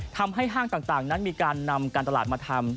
ห้างต่างนั้นมีการนำการตลาดมาทำ